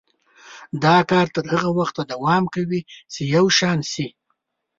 دا کار تر هغه وخته دوام کوي چې یو شان شي.